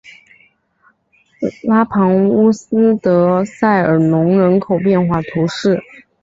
拉庞乌斯德塞尔农人口变化图示